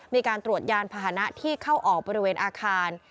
มีการตรวจยานพาหนะที่เข้าออกบริเวณอาคาร